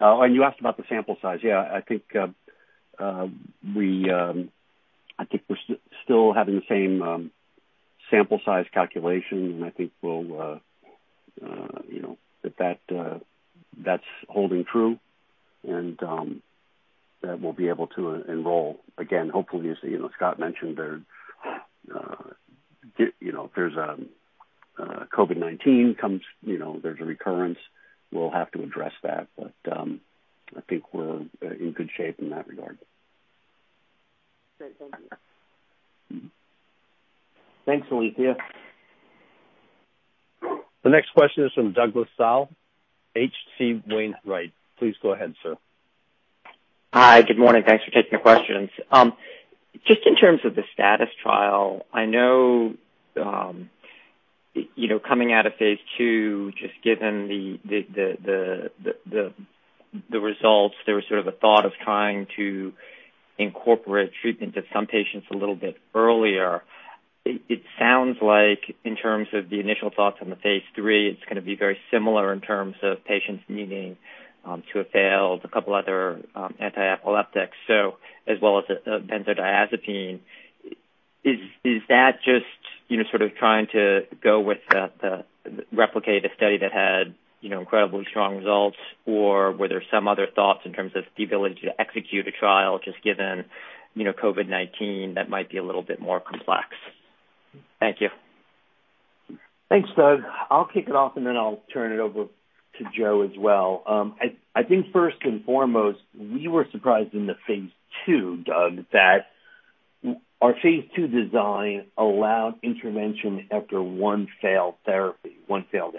You asked about the sample size. Yeah, I think we're still having the same sample size calculation, and I think that's holding true, and that we'll be able to enroll again, hopefully, as Scott mentioned, if there's COVID-19 comes, there's a recurrence, we'll have to address that. I think we're in good shape in that regard. Great. Thank you. Thanks, Alethia. The next question is from Douglas Tsao, H.C. Wainwright. Please go ahead, sir. Hi. Good morning. Thanks for taking the questions. Just in terms of the STATUS trial, I know, coming out of phase II, just given the results, there was sort of a thought of trying to incorporate treatment of some patients a little bit earlier. It sounds like in terms of the initial thoughts on the phase III, it's going to be very similar in terms of patients needing to have failed a couple of other anti-epileptics, as well as benzodiazepine. Is that just trying to go with the replicated study that had incredibly strong results, or were there some other thoughts in terms of the ability to execute a trial, just given COVID-19, that might be a little bit more complex? Thank you. Thanks, Doug. I'll kick it off and then I'll turn it over to Joe as well. I think first and foremost, we were surprised in the phase II, Doug, that our phase II design allowed intervention after one failed therapy, one failed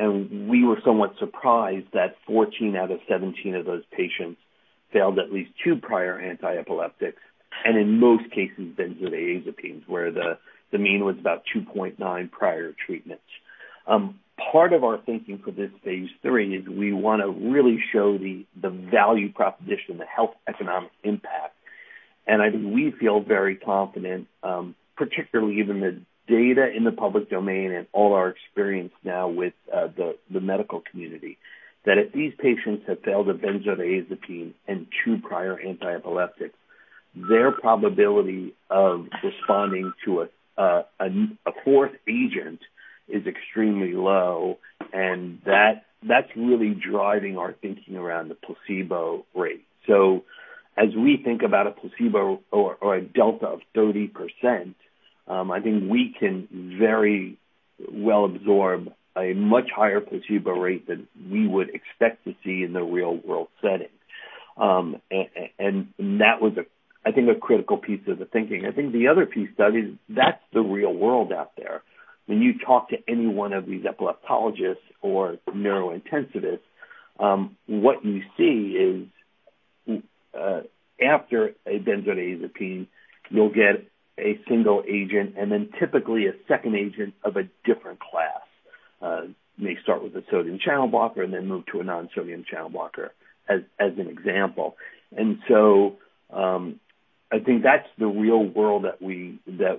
anti-epileptic. We were somewhat surprised that 14 out of 17 of those patients failed at least two prior anti-epileptics, and in most cases, benzodiazepines, where the mean was about 2.9 prior treatments. Part of our thinking for this phase III is we want to really show the value proposition, the health economic impact. I think we feel very confident, particularly given the data in the public domain and all our experience now with the medical community, that if these patients have failed a benzodiazepine and two prior anti-epileptics, their probability of responding to a fourth agent is extremely low, and that's really driving our thinking around the placebo rate. As we think about a placebo or a delta of 30%, I think we can very well absorb a much higher placebo rate than we would expect to see in the real-world setting. That was, I think, a critical piece of the thinking. The other piece, Doug, is that's the real world out there. When you talk to any one of these epileptologists or neurointensivists, what you see is after a benzodiazepine, you'll get a single agent and then typically a second agent of a different class. May start with a sodium channel blocker, then move to a non-sodium channel blocker, as an example. I think that's the real world that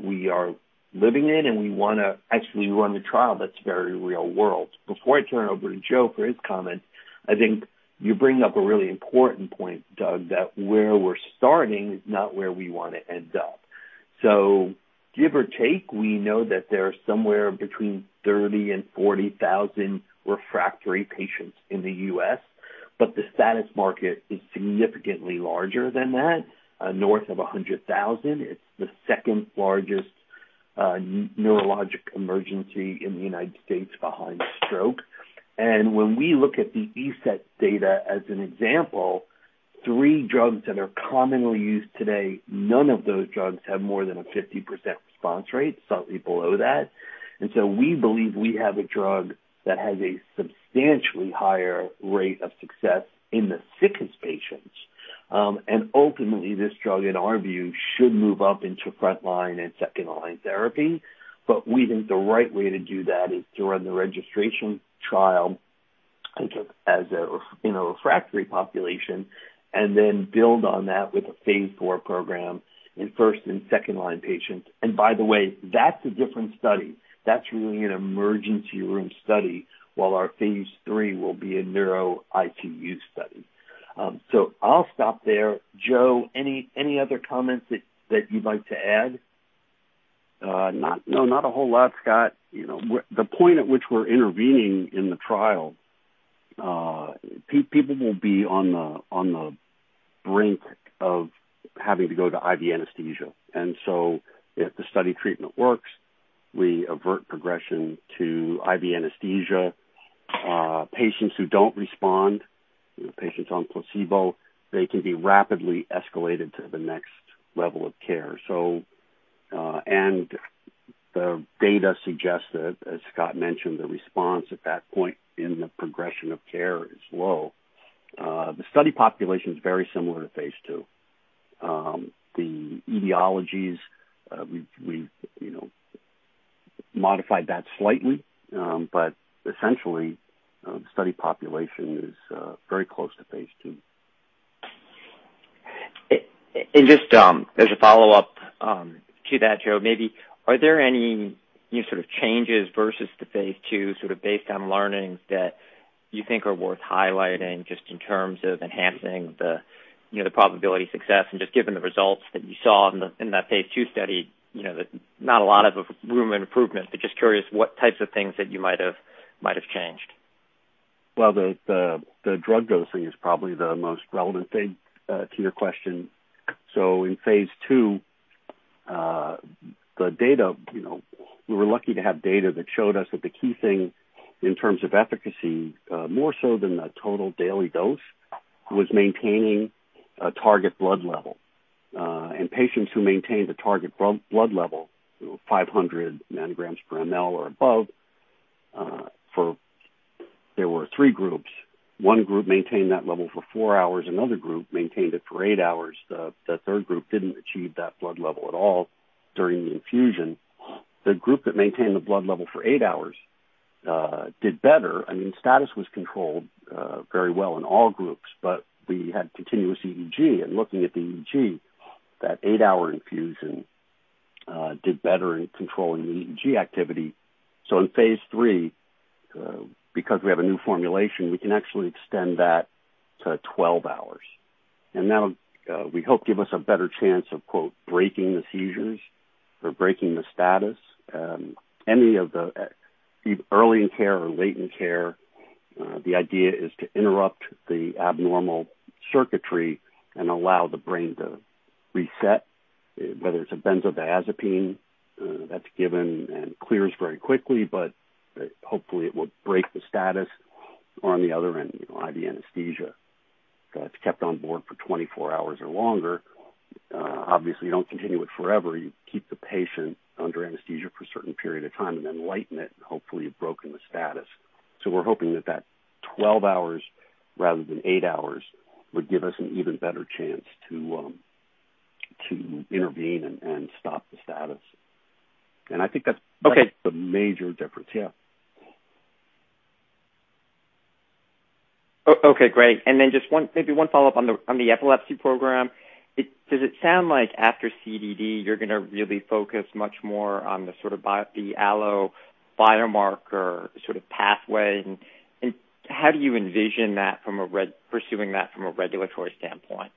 we are living in, and we want to actually run the trial that's very real world. Before I turn it over to Joe for his comment, I think you bring up a really important point, Doug, that where we're starting is not where we want to end up. Give or take, we know that there are somewhere between 30,000 and 40,000 refractory patients in the U.S., the status market is significantly larger than that, north of 100,000. It's the second largest neurologic emergency in the United States behind stroke. When we look at the ESETT data as an example, three drugs that are commonly used today, none of those drugs have more than a 50% response rate, slightly below that. We believe we have a drug that has a substantially higher rate of success in the sickest patients. Ultimately, this drug, in our view, should move up into frontline and second-line therapy. We think the right way to do that is to run the registration trial in a refractory population and then build on that with a phase IV program in first and second-line patients. By the way, that's a different study. That's really an emergency room study, while our phase III will be a neuro ICU study. I'll stop there. Joe, any other comments that you'd like to add? No, not a whole lot, Scott. The point at which we're intervening in the trial, people will be on the brink of having to go to IV anesthesia. If the study treatment works, we avert progression to IV anesthesia. Patients who don't respond, patients on placebo, they can be rapidly escalated to the next level of care. The data suggests that, as Scott mentioned, the response at that point in the progression of care is low. The study population is very similar to phase II. The etiologies, we've modified that slightly. Essentially, the study population is very close to phase II. Just as a follow-up to that, Joe, maybe are there any sort of changes versus the phase II, sort of based on learnings that you think are worth highlighting just in terms of enhancing the probability of success and just given the results that you saw in that phase II study, that not a lot of room improvement. Just curious what types of things that you might have changed? The drug dosing is probably the most relevant thing to your question. In phase II, we were lucky to have data that showed us that the key thing in terms of efficacy, more so than the total daily dose, was maintaining a target blood level. Patients who maintained the target blood level, 500 nanograms per ML or above. There are three groups. One group maintained that level for four hours. Another group maintained it for eight hours. The third group didn't achieve that blood level at all during the infusion. The group that maintained the blood level for eight hours did better. Status was controlled very well in all groups, but we had continuous EEG. Looking at the EEG, that eight-hour infusion did better in controlling the EEG activity. In phase III, because we have a new formulation, we can actually extend that to 12 hours, and that'll, we hope, give us a better chance of, quote, "breaking the seizures" or breaking the status. Any of the early in care or late in care, the idea is to interrupt the abnormal circuitry and allow the brain to reset, whether it's a benzodiazepine that's given and clears very quickly, but hopefully it will break the status. On the other end, IV anesthesia that's kept on board for 24 hours or longer. Obviously, you don't continue it forever. You keep the patient under anesthesia for a certain period of time and then lighten it. Hopefully, you've broken the status. We're hoping that that 12 hours rather than 8 hours would give us an even better chance to intervene and stop the status. Okay a major difference. Yeah. Okay, great. Just maybe one follow-up on the epilepsy program. Does it sound like after CDD, you're going to really focus much more on the Allo biomarker pathway? How do you envision pursuing that from a regulatory standpoint?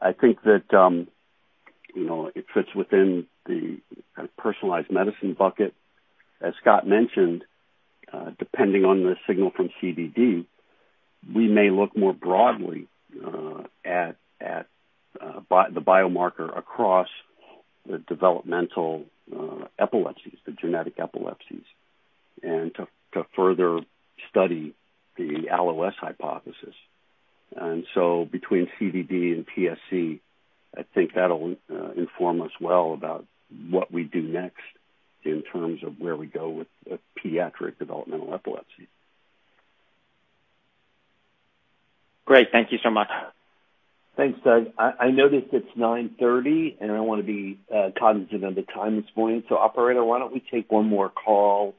I think that it fits within the personalized medicine bucket. As Scott mentioned, depending on the signal from CDD, we may look more broadly at the biomarker across the developmental epilepsies, the genetic epilepsies, and to further study the Allo-S hypothesis. Between CDD and TSC, I think that'll inform us well about what we do next in terms of where we go with pediatric developmental epilepsy. Great. Thank you so much. Thanks, Doug. I noticed it's 9:30, and I want to be cognizant of the time this morning. Operator, why don't we take one more call,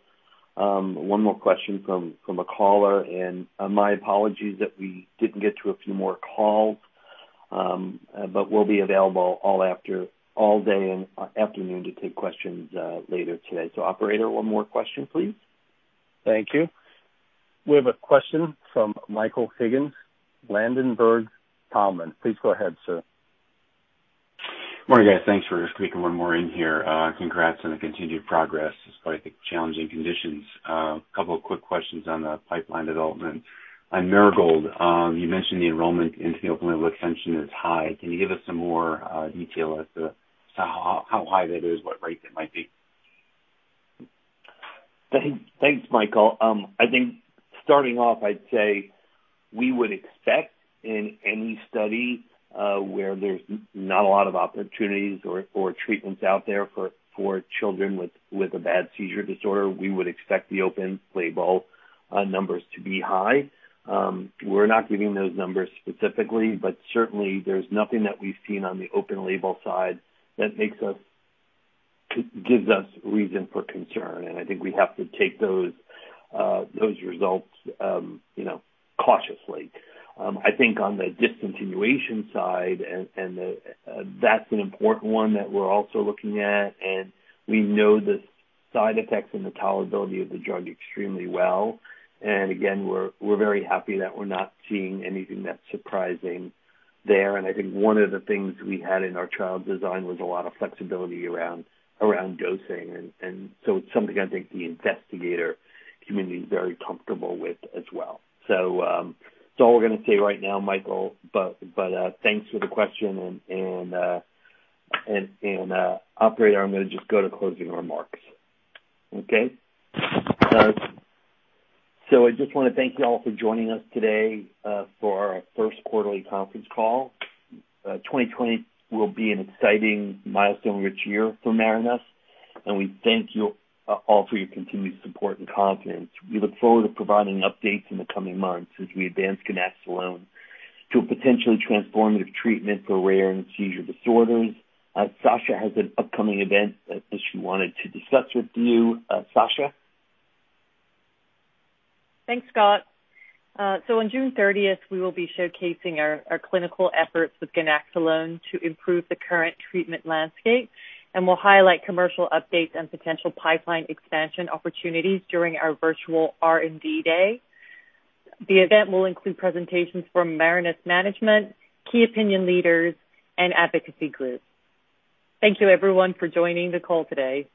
one more question from a caller. My apologies that we didn't get to a few more calls, but we'll be available all day and afternoon to take questions later today. Operator, one more question, please. Thank you. We have a question from Michael Higgins, Ladenburg Thalmann. Please go ahead, sir. Morning, guys. Thanks for squeezing one more in here. Congrats on the continued progress, despite the challenging conditions. A couple of quick questions on the pipeline development. On Marigold, you mentioned the enrollment in the open label extension is high. Can you give us some more detail as to how high that is, what rate that might be? Thanks, Michael. I think starting off, I'd say we would expect in any study, where there's not a lot of opportunities or treatments out there for children with a bad seizure disorder, we would expect the open label numbers to be high. We're not giving those numbers specifically, but certainly, there's nothing that we've seen on the open label side that gives us reason for concern. I think we have to take those results cautiously. I think on the discontinuation side, that's an important one that we're also looking at, and we know the side effects and the tolerability of the drug extremely well. Again, we're very happy that we're not seeing anything that's surprising there. I think one of the things we had in our trial design was a lot of flexibility around dosing. It's something I think the investigator community is very comfortable with as well. That's all we're going to say right now, Michael. Thanks for the question. Operator, I'm going to just go to closing remarks. Okay. I just want to thank you all for joining us today for our first quarterly conference call. 2020 will be an exciting milestone rich year for Marinus, and we thank you all for your continued support and confidence. We look forward to providing updates in the coming months as we advance ganaxolone to a potentially transformative treatment for rare and seizure disorders. Sasha has an upcoming event that she wanted to discuss with you. Sasha? Thanks, Scott. On June 30th, we will be showcasing our clinical efforts with ganaxolone to improve the current treatment landscape. We'll highlight commercial updates and potential pipeline expansion opportunities during our virtual R&D day. The event will include presentations from Marinus management, key opinion leaders, and advocacy groups. Thank you everyone for joining the call today.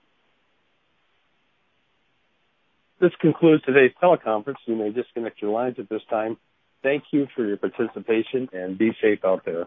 This concludes today's teleconference. You may disconnect your lines at this time. Thank you for your participation. Be safe out there.